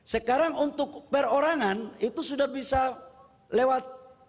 sekarang untuk perorangan itu sudah bisa lewat